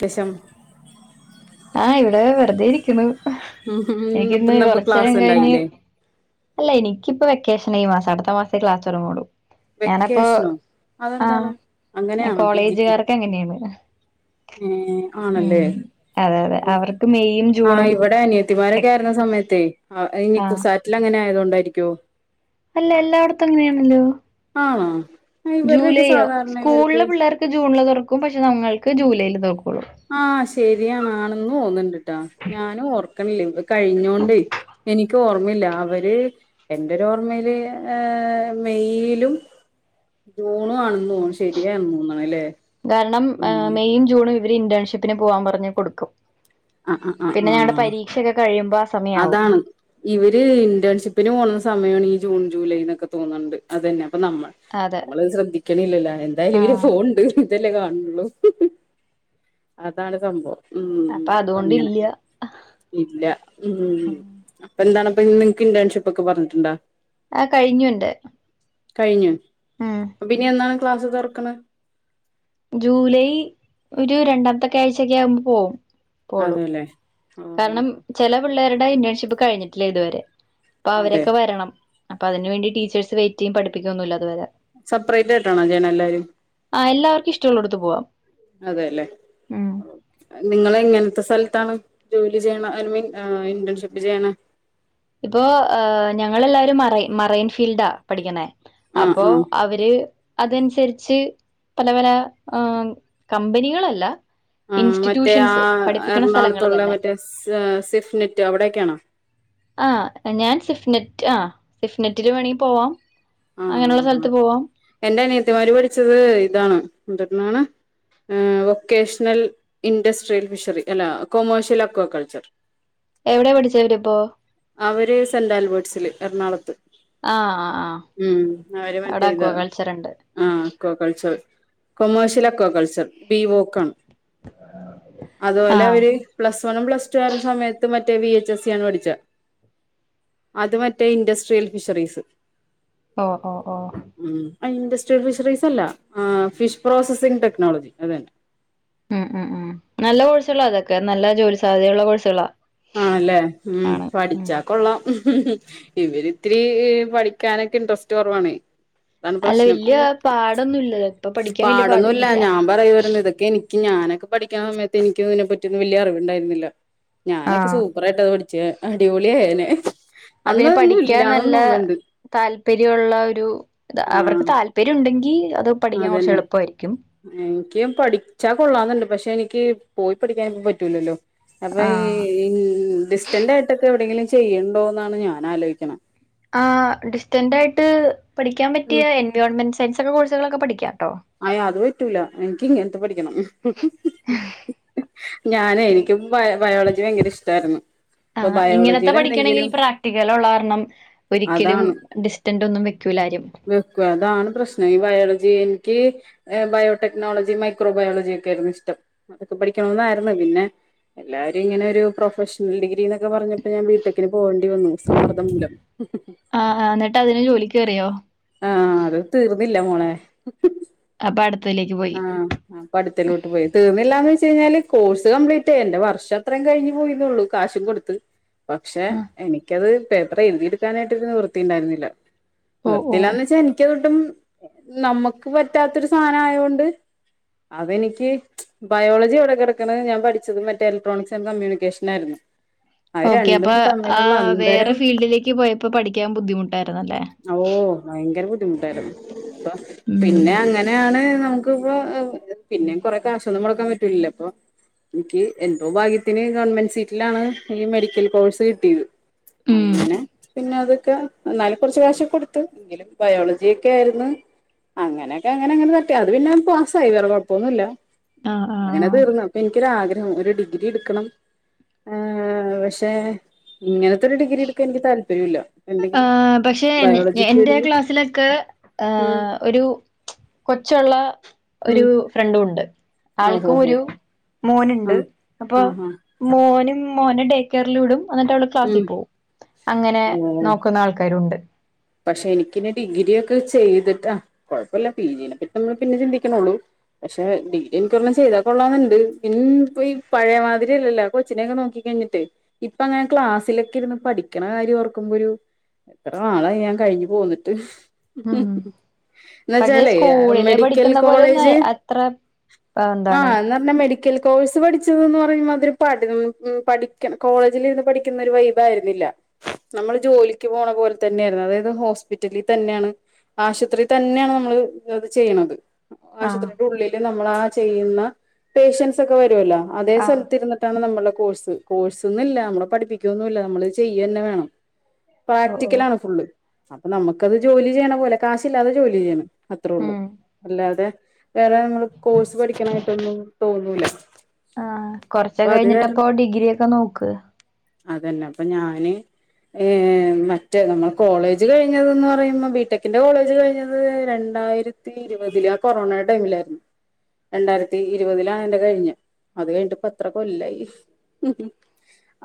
ജശം ആ ഇവിടെ വെറുതെ ഇരിക്കുണു എനിക്കിന്ന് ഇന്നിപ്പോ കൊറച്ച് ക്ലാസ് നേരം കഴിഞ്ഞ് ഉണ്ടായില്ലേ അല്ല എനിക്കിപ്പ വെ കേഷന ഈ മാസം അടുത്ത മാസെ ക്ലാസ് തുടങ്ങുള്ളൂ ഞാനപ്പോ വെക്കേഷനോ ആ അതെന്താണ് അങ്ങനെയാണോ പി ജിക്ക് കോളേജുകാർക്ക് അങ്ങനെയാണ് ഏ ആണല്ലേ ഉം അതെ അതെ അവർക്ക് മെയ്യും ആ ജൂണും ഇവിടെ അനിയത്തിമാരൊക്കെ ആയിരുന്ന സമയത്തേ ഇനി ആഹ് കുസാറ്റിൽ അങ്ങനെ ആയതുകൊ ന്തായിരിക്കോ അല്ല എല്ലായിടത്തും അങ്ങനെയാണല്ലോ ആണോ ഇവരുടെയൊക്കെ ജൂലൈയോ സാധാരണ ഇവർക്ക് സ്കൂളില് പിള്ളേർക്ക് ജൂണില് തുറക്കും പക്ഷെ നങ്ങൾക്ക് ജൂലൈൽ തുറക്കുള്ളൂ ആ ശരിയാണാണെന്ന് തോന്നിണ്ടിട്ടാ ഞാനും ഓർക്കണില്ലേ ഇ കഴിഞ്ഞോണ്ടെ എനിക് ക്ക് ഓർമ്മയില്ല അവര് എന്റെരോർമ്മയില് ആ മെയിലും ജൂണും ആണെന്ന് തോന്നുന്നു ശരിയാണന്ന് തോന്നണില്ലേ കാരണം മെയും ജൂണും ഇവര് ഇന്റേൺഷിപ്പിന് പോവാൻ പറഞ് കൊടുക്കും ആ ആ ആ പിന്നെ ആ ഞങ്ങളുടെ പരീക്ഷയൊക്കെ കഴിയുമ്പോ ആ സമയാവും അതാണ് ഇവര് ഇന്റേൺഷിപ്പിന് പോണുന്ന സമയാണ് ഈ ജൂൺ ജൂലൈ നിന്നൊക്കെ തോന്നണെണ്ട് അതന്നെ അപ്പ നമ്മ അതെ നമ്മളത് ശ്രദ്ധിക്കണില്ലല്ല എന്തായാലും ഇവര് ആഹ് ഫോൺ ഇണ്ട് ഇതല്ലേ കാണുള്ളൂ അതാണ് സംഭവം ഉം അപ്പൊ അപ്പങ്ങനെ അതുകൊണ്ടില്ല ഇല്ല ഉം അപ്പ എന്താണ് അപ്പ നിങ്ങക്ക് ഇന്റേൺഷിപ്പ് ഒക്കെ പറഞ്ഞിുണ്ടോ ആ കഴിഞ്ഞുണ്ട് കഴിഞ്ഞു അപ്പൊ പിന്നെ എന്താണ് ക്ലാസ് തുറക്കണ ജൂലൈ ഒരു രണ്ടാമത്തെ ക്കെ ആഴ്ചക്കെ ആകുമ്പോ പോവും പോളൂ അതെല്ലേ ഓഹ് ഓഹ് കാരണം ഓഹ് ചില പിള്ളേരുടെ ഇന്റേൺഷിപ്പ് കഴിഞ്ഞിട്ടില്ല ഇതുവരെ അപ്പൊ അതെ അവരൊക്കെ വരണം അപ്പ അതിനുവേണ്ട ടീച്ചേഴസ് വെറ്റ് ചെയ്യ പടിപ്പിക്കൊന്നുമില്ല അതുവരെ സെപ്പറേറ്റ് ആയിട്ടാണോ ചെയേണ എല്ലാരും ആ എല്ലാവർക്കും ഇഷ്ടമുള്ളടത്ത് പോവാം അതെല്ലേ ഉം നിങ്ങള എങ്ങന ഇ സ്ഥലത്താണ് ജോലി ചെയ്യണ ഐമീൻ ഇന്റേൺഷിപ്പ് ചെയ്യണ ഇപ്പൊ ഞങ്ങളെല്ലാവരും മറ മറൈൻ ഫീൽഡാ പഠിക്കുന്നേ ആഹ് അപ്പോ ആഹ് അവര് അതനുസരിച്ച് പല പല കമ്പനികളല്ല ആ മറ്റേ ആ ഇൻസ്റ്റിറ്റ്യൂഷൻസ് പഠിപ്പിക്കണ സ്ഥലങ്ങൾ എറണാകുളത്തുള്ള തന്നെ മറ്റേ സിഫ്നെറ്റ് അവിടെൊക്കെയാണോ ആ ഞാൻ സിഫ്നെറ്റ് ആ സിഫ്നെറ്റിന്റെ വേണേ പോവാം ആ അങ്ങനെയുള്ള സ്ഥലത്ത് പോവാം എന്റെ അഅനിയത്തിമാര് പഠിച്ചത് ഇതാണ് എന്നാണ് വൊക്കേഷണൽ ഇൻഡസ്ട്രിയൽ ഫിഷറി അല്ല കൊമേഴഷ്യൽ അക്വ കൾച്ചർ എവിടെയാ പഠിച്ചേ ഇവരിപ്പോ അവര് സെന്റ് ആൽബേർട്സില് എറണാകുളത്ത് ആ ആ ഉം അവര് മറ്റേ ഇതാ ആ കൊ കളിച്ചോ കൊമേഴഷ്യൽ അക്വകൾച്ചർ ബി വോക്കൺ അതുപോലെ ആഹ് അവര് പ്ലസ് വണും പ്ലസ് ടു ആരും സമയത്ത് മറ്റ മറ്റ വി എച്ച് സി ആണ് പഠിച്ച അത് മറ്റേ ഇൻഡസ്ട്രിയൽ ഫിഷറീസ് ഓ ഓ ഓ ഉം ഇൻഡസ്ട്രിയൽ ഫിഷറീസല്ല ആ ഫിഷ് പ്രോസസിംഗ് ടെക്നോളജി അത തന്നെ ഉം ഉം ഉം നല്ല കോഴ്സുകളാ അതൊക്കെ നല്ല ജോലി സാധ്യതയള്ള കോഴ്സുകളാ ആണല്ലേ ഉം ആണ് ഉം പഠിച്ചാ കൊള്ളാം ഇവരിത്തിരി പഠിക്കാനൊക്കെ ഇൻട്രസ്റ്റ് കുറവാണ് അല്ല വലിയ പാടൊന്നുംല്ല പാടൊന്നുംല്ല ഞാൻ പറയ വരുന്ന ഇതൊക്കെ എനിക്ക് ഇക്ക് ഞാനൊക്കെ പഠിക്കണ സയത്ത് എനിക്ക് ഇതിനെ പറ്റിയൊന്നും വല്യ അറിവുണ്ടായിരുന്നില്ല. ഞാനൊക്കെ ആഹ് സൂപ്പറായിട്ട് അത് പഠി ച്ച് അടിപൊളിയായേനെ. അ പിന്നെ അന്നതൊന്നും പഠിക്കാൻ ഇല്ലാന്ന് നല്ല തോന്നുന്നുണ്ട് താല്പര്യമുള്ള ഒരു അവർക്ക് ആഹ് താല്പര്യം ഉണ്ടെങ്കി അത് പഠിക്കാൻ കുറച്ച് അതന്നെ എളുപ്പായിരിക്കും എനക്കും പഠിച്ചാ കൊള്ളാന്ന്ണ്ട് പക്ഷെ എനി ക്ക് പോയി പഠിക്കാൻ ഒന്നും പറ്റൂല അപ്പൊ ആഹ് ഈ ഡിസ്റ്റൻഡ് ആയിട്ടൊക്കെ എവിടെങ്കിലും ചെ ചെയ്യണ്ടോന്നാണ് ഞാൻ ആലോയിക്കണേ ആ ഡിസ്റ്റന്റ് ആയിട്ട് പഠിക്കാൻ പറ്റിയ എൻവയോൺമെന്റ് സയൻസ് കോഴ്സുകളക്കെ പഠിക്കാട്ടോ അയ് അത് പറ്റൂല എനിക്കിങ്ങനത്തെ പഠിക്ക ഞാൻ എനിക്ക് ബയോളജി ഭയങ്കര ഇഷ്ടമായിരുന്നു അപ്പൊ ആഹ് ഇങ്ങനത്തെ ബയോളജിയുടെ പഠിക്കണെങ്കിൽ എന്തെങ്കിലും പ്രാക്ടിക്കലുള്ള കാരണം ഒരിക്കലും അതാണ് ഡിസ്റ്റന്റ് ഒന്നും വെക്കൂലാരും. വെക്ക അതാണ് പ്രശ്നം ഈ ബയോള [unintelligible] എനിക്ക് ബയോടെക്നോളജി മൈക്രോ ബയോളജി ഒക്കെ ആയിരുന്നു ഇഷ്ടം അതൊക്കെ പഠിക്കണന്നായിരുന്നു പിന്നെ എല്ലാവാരും ഇങ്ങനെ ഒരു പ്രൊഫഷണൽ ഡിഗ്രി എന്നൊക്കെ പറഞ്ഞ് അപ്പൊ ഞാൻ ബിട്ടെക്കിന് പോകേണ്ടി വന്നു സമ്മർദ്ദം മൂലം ആഹ് ആഹ് എന്നിട്ട് അതിന് ജോലിക്ക് കേറിയോ? ആഹ അത് തീർന്നില്ല മോളെ ഓക് പട് ആഹ ആ പഠത്തിലോട്ട് പോയി തീന്നില്ലാ കഴിഞ്ഞാല് കോഴ്സ് കംപ്ലീറ്റ് എന്റെ വർഷം അത്രയും കഴിഞ്ഞ് പോയിരുന്നുള്ളു കാശും കൊടുത്ത് പക്ഷെ ആഹ് എനിക്കത് പേപ്പർ എഴുതി എടുക്കാനായിട്ട് ഇന്ന് നിവൃത്തി ഉണ്ടായിരുന്നില്ല ഓഹ് ഓഹ് നിവൃത്തിലാന്ന് വെച്ചാ എനിക്കതൊട്ടും നമുക്ക് പറ്റാത്തൊരു സാധനം ആയൊണ്ട് അതെനിക്ക് ബയോളജി ഇവിടെ കിടക്കുന്നത് ഞാൻ പഠിച്ചത് മറ്റേ ഇലക്ട്രോണിക്സ് ആൻഡ് കമ്മ്യൂണിക്കേഷൻ ആയിരുന്നു അത് ഓക്കെ അപ്പൊ രണ്ടും ആ തമ്മിലുള്ള വേറെ അന്തരം ഫീൽഡിലേക്ക് പോയപ്പോ പഠിക്കാൻ ബുദ്ധിമുട്ടായിരുന്നല്ലേ ഓ ഭയങ്കര ബുദ്ധിമുട്ടായിരുന്നു അപ്പ പിന്നെ ഉം അങ്ങനെയാണ് പിന്നെ കൊറെ കാശൊന്നും മുടക്കാൻ പറ്റൂല അപ്പൊ എനിക്ക് എന്തോ ഭാഗ്യത്തിന് ഗവൺമെന്റ് സീറ്റിലാണ് ഈ മെഡിക്കൽ കോഴ്സ് കിട്ടിയത് ഉം അങ്ങനെ പിന്നെ അത് എന്നാലും കുറച്ച് കാശ് ഒക്കെ കൊടുത്ത് എങ്കിലും ബയോളജി ഒക്കെ ആയിരുന്നു അങ്ങനെയൊക്കെ അങ്ങനെ അങ്ങനെ തട്ടി അത് പിന്നെ പാസായി വറെ കുഴപ്പൊന്നുല്ല ആഹ് ആഹ് അങ്ങനെ ആഹ് തീർന്നു അപ്പൊ എനിക്കൊരാഗ്രഹം ഒരു ഡി ഡിഗ്രി എടുക്കണം പക്ഷെ ഇങ്ങനെ നത്തെ ഒരു ഡിഗ്രി എടുക്കാൻ എനിക്ക് താ താൽപ്പര്യല്ല ആഹ് പക്ഷെ ഞ ഞ എന്റെ ക്ലാസ്സിലൊക്കെ ഉം ഒരു കൊച്ചൊള്ള ഉം ഒരു ഫ്രണ്ടുണ്ട്. ഓഹോ ആൾക്കും ഹോ ഒരു മോന്ണ്ട് ആഹ് അപ്പൊ ആഹ് ആഹ് മോനും മോനെ ഡേകെയറില് വിടും. അന്നിട്ടവള് ക്ലാസ്സി ഉം പോവും അങ്ങനെ ഓഹ് നോക്കുന്നാൾക്കാരുണ്ട്. പക്ഷെ എനിക്കിനി ഡിഗ്രിയൊക്കെ ചെയ്തിട്ട കൊഴപ്പല്ല പി ജി നെ പ്പറ്റി നമ്മള് പിന്നെ ചിന്തിക്കണൊള്ളൂ പക്ഷെ ഡിഗ്രി എനിക്കൊരെണ്ണം ചെയ്താ കൊള്ളാന്ന്ണ്ട് ഇൻ പ്പൊഈ പഴേമാതിരിയല്ലല്ല കൊച്ചിനെ ക്കെ നോക്കി കഴിഞ്ഞിട്ട് ഇപ്പ ങ്ങനെ ക്ലാസ്സി ലൊക്കിര്ന്ന് പഠിക്കണ കാര്യോർക്കുമ്പൊരു എത്ര നാളായി ഞാൻ കഴിഞ്ഞ് പോന്ന്ട്ട്. ഉം പക്ഷെ ന്നച്ചാലേ സ്കൂളില് മെഡിക്കൽ പഠിക്കുന്ന പോലെയൊന്നും കോളേജ് അത്ര ആ, എന്താണ് ആഹ് ന്നാർഞ്ഞാ മെഡി ക്കൽ കോഴ്സ് പഠിച്ച്ന്ന്ന്ന് പറയുമ്പതൊരു പഠി [unintelligible] പഠിക്കണ് കോളേജിലിര്ന്ന് പഠിക്ക് ന്നൊരു വൈബാരുന്നില്ല നമ്മള് ജോലിക്ക് പോണ പോലെ തന്നെയിരുന്നു അതായത് ത് ഹോസ്പിറ്റലിൽ തന്നെണ് ആശത്രി തന്നെണ് നമ്മള് തൊക്കെ ചെയ്യണത്. ആഹ് ആശത്രി ൻ്റെ ഉള്ളില് നമ്മ നമ്മളാ ചെയ്യുന്ന പേഷ്യൻസൊക്കെ വെരൊല്ലോ അതേ ആഹ് സെൽത്ത്ര്ന്നിട്ടാണ് നമ്മള് കോഴ്സ് കോഴ്സ് ന്നില്ല നമ്മളെ പഠിപ്പിക്കൊന്നുല്ല നമ്മള് ചെയ്യെന്നെ വേണം. ഓ ഓ പ്രാക്ടിക്കലാണ് ഫുള്ള്. അപ്പൊ നമ്മക്കത് ജോലി ചെയ്യണ പോലെ കാശില്ലാതെ ജോലി ചെയ്യ്ണ്. അത്രേയൊള്ളൂ ഉം അല്ലാതെ വേറെ നമ്മള് കോഴ്സ് പഠിക്കണ ഒന്നും തോന്നൂല ആ അപ്പൊ കൊറച്ചൊക്കെ അത് കാരണം കഴിഞ്ഞിട്ടപ്പോ ഡിഗ്രിയൊക്കെ നോ ക്ക് അതന്നെ അപ്പം ഞാന് ഏഹ് മറ്റേ നമ്മൾ കോളേജ് കഴിഞ്ഞന്നെ പറയുമ്പോ ബിടെക്കിന്റെ കോളേജ് കഴിഞ്ഞത് രണ്ടായിരത്തി ഇരുപത്തിലാണ് ആ കൊറോണയുടെ ടൈമിലായിരുന്നു രണ്ടായിരത്തി ഇരുപതിലാണ് എന്റെ കഴിഞ്ഞേ അത് കഴിഞ്ഞിട്ടിപ്പം എത്ര കൊല്ലായി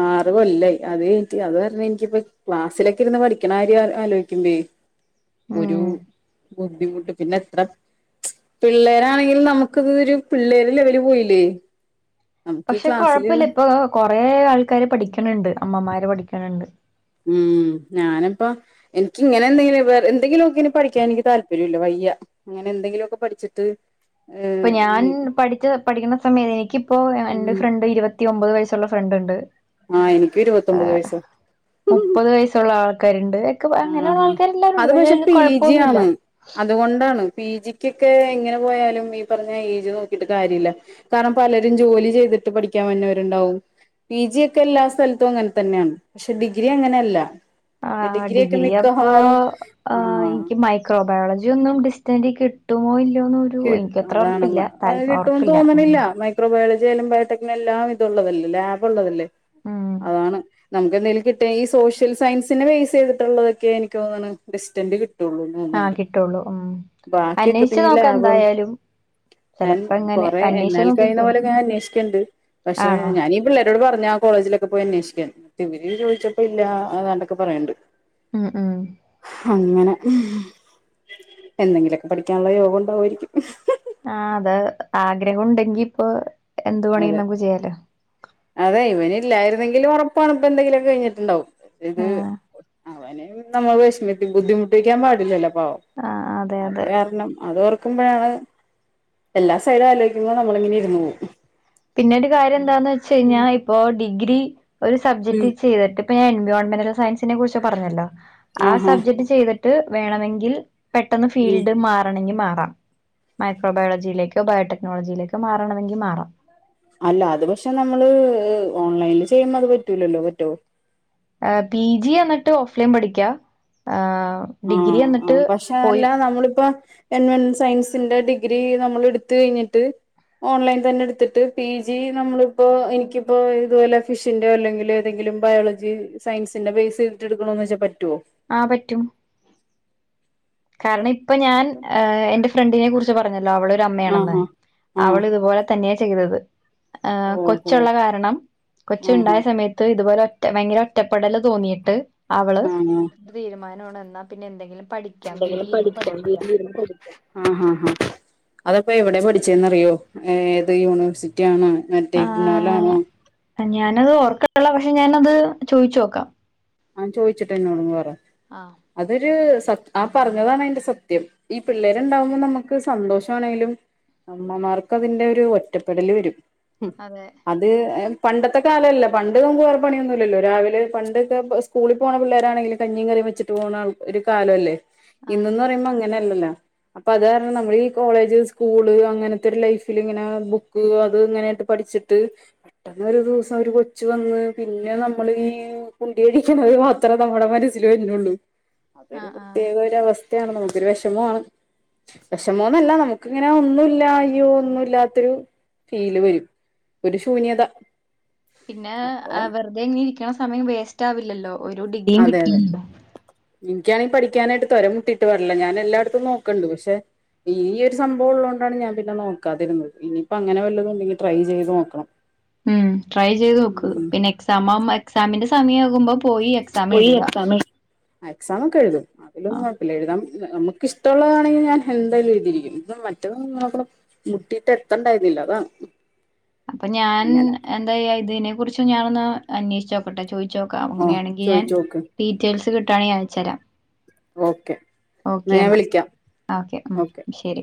ആറു കൊല്ലായി അത്കഴിഞ്ഞിട്ട് അതു കാരണം എനിക്കിപ്പം ക്ലാസ്സിലൊക്കെ ഇരുന്ന് പഠിക്കണ കാര്യ ആലോചിക്കുമ്പേ ഒരു ഉം ബുദ്ധിമുട്ട് പിന്നെ എത്ര പിള്ളേരാ ആണെങ്കിലും നമുക്ക് ഇത് ഒരു പിള്ളേര് ലെവല് പോയില്ലേ നമുക്ക് ഈ പക്ഷെ കുഴപ്പില്ല ക്ലാസ്സിലിരുന്ന് ഇപ്പൊ കൊറേ ആൾ കാര് പഠിക്കണുണ്ട് അമ്മമാര് പഠിക്കണ യുണ്ട് ഉം ഞാനിപ്പം എനിക്ക് ഇങ്ങനെ എന്തെങ്കിലും എന്തെങ്കിലും ഒക്കെ ഇനി പഠിക്കാൻ എനിക്ക് താല്പര്യമില്ല വയ്യ അങ്ങനെ എന്തെങ്കിലുമൊക്കെ പഠിച്ചിട്ട് ഇപ്പൊ ഏഹ് ഞാൻ ഇനി പഠിച്ച പഠിക്കണ സമയാന്നു എനിക്കിപ്പോ എന്റെ ഉം ഫ്രണ്ട് ഇരുപ ത്തി ഒമ്പത് വയസ്സുള്ള ഫ്രണ്ട് ഉണ്ട് ആ എനിക്കും ഇരുപത്തൊമ്പത് വയസാ കരൺ ആ അത് പക്ഷെ പി ജി കൊഴപ്പൊന്നുല്ല യാണ് അതുകൊണ്ടാണ് പി ജിക്കൊക്കെ എങ്ങനെ പോയാലും ഈ പറഞ്ഞ ഏജ് നോക്കിട്ട് കാര്യമില്ല കാരണം പലരും ജോലി ചെയ്തിട്ട് പഠിക്കാൻ വരുന്നവര് ഉണ്ടാവും പി ജി ഒക്കെ എല്ലാ സ്ഥലത്തും അങ്ങനെ തന്നെയാണ് പക്ഷെ ഡിഗ്രി അങ്ങനെയല്ല ആ ഡിഗ്രി അടി ഒക്കെ ഡി അപ്പോ മിക്കവാറും ആഹ് എനിക്ക് മൈക്രോബയോളജി ഒന്നും ഡിസ്റ്റന്റി ട്ടോലി ി അതാണ്ള്ള കിട്ടുംന്ന് ഉറപ്പില്ല ഉം തോന്നണില്ല മൈക്രോബയോളജി എാലും ബയോടെനിനും എല്ലാം ഇതുള്ളതല്ല ലാബ് ഉള്ളതല്ലേ ഉം അതാണ് നമുക്ക് എന്തേലും കിട്ടിയഈ സോഷ്യൽ സായിൻസിന് ബേസ് ചെയ്തിട്ടുള്ളതൊക്കെഎനിക്ക് എനിക്ക്തോന്നാണ് ബെസ്റ്റ്റ്റൻഡ് കി ആഹ കിട്ടുള്ളൂ ഉം ബാക്കിയൊക്കെത്തിന് അന്വേഷിച്ചച്ച് ഈ നോക്കാം ലാഭം എന്തായാലും ഞാൻ ചെലപ്പോ ഇങ്ങനെ കൊറെ അന്വേഷിച്ച് എന്നാൽ കഴിയുന്ന നോക്കിക്കോ പോലെ ഞാൻ അന്വേഷിക്കണണ്ട് പക്ഷെ ആണോ ഞാാനീഈ പിള്ളേരോട് പറഞ്ഞആ കോളേജിൽഒ പോയി അന്വേഷിക്കാൻ ഇവര ചോദിച്ചപ്പോ ഇല്ല അതാണ്ടൊക്കെ പറയണണ്ട് ഉം ഉം അങ്ങനെ മ്മ്.. എന്തെങ്കിലുമൊക്കെ പഠിക്കാനുള്ള യോഗം ഉണ്ടാവുആയി [unintelligible] ആ അത് ആഗ്രഹം ഉണ്ടെങ്കി ഇപ്പൊ അതെ എന്ത്പണിയുംനമ്മക്ക് ചെയ്യാലോ അതെ ഇവന് ഇല്ലായിരുന്നെങ്കില്ഒറപ്പാണ്ഇപ്പംഎത്തെക്കിലുംഒക്കെ കഴിഞ്ഞിട്ടുണ്ടാവും ഇത്.. ആഹ് അവനെ നമ്മള് വിഷമിപ്പി ബുദ്ധിമുട്ടി്ിക്കാൻ പാടില്ലല്ലോ ഓ ആ അതെ അത് അതെ കാരണം അത്ഒ ക്കുമ്പോഴാണ് എല്ലാ സൈഡും ആലോചിക്കുന്നത് നമ്മളി ഇങ്ങനെ ഇരുന്ന് പോകും പിന്നീട് കാര്യം എന്താന്ന് വെച്ചാക ഞാൻഇപ്പൊ ഡിഗ്രി [unintelligible] ഒരു സബ്ജക്ട് ചെയ്തിട്ട് ഞാൻ എൻവിയോൺമെന്റൽ സയൻസിനെ ക്കുറിച്ച് പറഞ്ഞല്ലോ ആ ആഹാ സബ്ജക്ട് ചെയ്തി ട്ട് വേണമെങ്കിൽ പെട്ടെന്ന് ഉം ഫീൽഡ് മാറാണെക്കിമാ മാ മൈക്രോബയോളജിയിലേക്കോ ബയോടെക്നോളജിയിലേക്കോ മാറണമെങ്കിൽ മാറാം അല്ല അത് പക്ഷെ നമ്മള് ഓൺലൈനി ചെയ്യുമ്പോ അത് പറ്റൂലല്ലോ പറ്റോ പി ജി എന്നിട്ട് ഓഫ്‌ലൈൻപഠിക്കാആ ആഹ ആ പക്ഷെ അല്ല നമ്മളിപ്പോ എൻവെൻ സയൻസിന്റെ ഡിഗ്രി നമ്മൾ എടുത്ത് കഴിഞ്ഞിട്ട് ഓൺലൈൻ തന്നെ എടുത്തിട്ട് പി ജി നമ്മളിപ്പോഎനിക്കിപ്പോ ഇതുപോലെ ഫിഷിന്റെോ അല്ലെങ്കിൽ ഏതെങ്കിലും ബയോളജി സയൻസിന്റെ ബേസ് ചെയ്തിട്ട എടുക്കണന്ന് വെച്ചാൽ പ ആഹ് പറ്റും കാരണം ഇ ഇപ്പൊ ഞാൻ ആഹ് എന്റെ ഫ്രണ്ടിനെ കുറിച്ച് പറഞ്ഞത് അവളൊരു അമ്മയാണെന്ന് ആഹ് അവൾ ആഹ് ഇതുപോലെ തന്നെ ചെയ്തത് ആ ആഹ് ഓഹോ കൊച്ചുള്ള കാരണം കൊച്ച് ആഹ് ഇണ്ടായ സമയത്ത് ഇതുപോലെ ഭയങ്കര ഒറ്റപ്പെടല് തോന്നിയിട്ട് അവള് ആഹ് ആഹ് തീരുമാനി ഇന്നോട് എന്നാ പിന്നെ എന്തെങ്കിലും പഠി എന്തെങ്കിലും പഠിക്കാം വീട്ടിലിരിന്ന് പഠിക്കാം ആ ഹ ഹ അതപ്പെ എവിടെ പഠിച്ചേന്ന്അറിയോ ഏഹ് ഏത് യൂണിവേഴ്സിറ്റി ആണന്നാണ്? മറ്റേ ആഹ് [unintelligible] ഞാനത് ഓർക്കണില്ല പക്ഷെ ഞാനത് ചോയിച്ച് നോക്കാം. ആ ചോദിച്ചിട്ട് എന്നോട് ഒന്ന്‌ പറ. ആഹ് അതൊര് സത് ആ പറഞ്ഞതാണ് അതിന്റെ സത്യം. ഈ പിള്ളേരിണ്ടാവുമ്പ നമുക്ക് സന്തോഷാണെങ്കിലും അമ്മമാർക്ക് അതിന്റെ ഒരു ഒറ്റപ്പെടല് വരും. ഉം അതെ അത് എ പണ്ടത്തെ കാലല്ല പണ്ട് നമുക്ക് വേറെ പണിയൊന്നുമില്ലല്ലോ രാവിലെ പണ്ടൊക്കെ സ്കൂളിൽ പോണ പിള്ളേരാണെങ്കിലും കഞ്ഞീം കറീം വെച്ചിട്ട് പോണാൾ ഒരു കാലവല്ലേ ആഹ് ഇന്നന്ന് പറയുമ്പ അങ്ങനെ ണ്ടല്ല അപ്പൊ അത് കാരണം നമ്മളീ കോളേജ് സ്കൂള് അങ്ങനത്തൊര് ലൈഫില് ഇങ്ങനെ ബുക്ക് അത് ഇങ്ങനേട്ട് പഠിച്ചിട്ട് പെട്ടന്ന്‌ ഒരു ദിവസം ഒര് കൊച്ച് വന്ന് പിന്നെ നമ്മള് ഈ കുണ്ടി കഴി ഇപ്പള്ളത് മാത്രമേ നമ്മളെ മനസ്സിൽ വരുന്നുള്ളൂ അതൊരു ആഹ് ആഹ് പ്രത്യേക ഒരു അവസ് നമുക്കൊരു വിഷമമാണ് വിഷമോന്നല്ല നമുക്ക് ഇങ്ങനെ ഒന്നും ഇല്ലായ്യോ ഒന്നും ഇല്ലാത്തൊരു ഫീല് വരും ഒരു ശൂന്യത പിന്നാ അപ്പൊ ആഹ് വെറുതെ ഇങ്ങനെ ഇരി ക്കണ സമയം വേസ്റ്റാവില്ലല്ലോ ഒരു ഡിഗ്രിയും കീട്ടില്ല. എനിക്കാണീ പഠിക്കാനായിട്ട് തൊര മുട്ടിയിട്ട് പാടില്ല ഞാൻ എല്ലായിടത്തും നോക്കണ് ണ്ട് പക്ഷെ ഈ ഒരു സംഭവം ഉള്ളത കൊണ്ടാണ് ഞാൻ പിന്നെ നോക്കാതിരുന്നത് ഇനിയിപ്പോ അങ്ങനെ വല്ലതണ്ടെങ്കിൽ ട്രൈ ചെയ്ത് നോക്കണം ഉം ട്രൈ ചെയ്തോക്ക്‌ ഉം പിന്നെക്സാം മാവുമൊ എക്സാമിന്റെ സ് സമയ ആകുമ്പോ പോയി എക്സാം എഴുത ആ എക്സാം ഒക്കെ എഴുതും അതിലൊന്നും കൊഴപ്പല്ല്യ എഴുതാം നമുക്ക്ഷ്ടള്ളാണെങ്കി ഞാൻ ഹെന്തായാലും എഴ്‌തിരിക്കും മറ്റത് ഒ ന്നും മുട്ടിയിട്ട് എത്തണ്ടായിരുന്നില്ല അതാണ് അപ്പൊ ഞാൻ അങ്ങനെ എന്താ എഴുതിന് കുറിച്ച് ഞാനൊന്ന് അന്വേഷിച്ചോക്കട്ടെ ചോയ്ച്ച് ചോയിച്ചോക്കാം ആഹ് അങ്ങനെയാണെങ്കി ഞാൻ ചോയിച്ചോക്ക് ഡീറ്റെയിൽസ് കിട്ട ട്ടാണെങ്കിൽ അയച്ചരാം ഓക്കെ ഓക്കെ എന്നാൽ ഞാൻ എന്നാ വിളിക്കാം ഉം ഓക്കെ ശരി